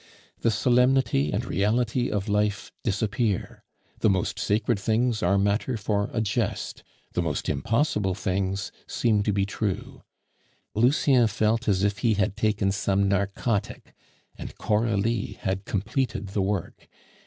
The solemnity and reality of life disappear, the most sacred things are matter for a jest, the most impossible things seem to be true. Lucien felt as if he had taken some narcotic, and Coralie had completed the work.